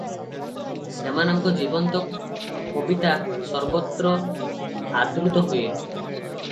ସେମାନଙ୍କର ଜୀବନ୍ତ କବିତା ସର୍ବତ୍ର ଆଦୃତ ହୁଏ ।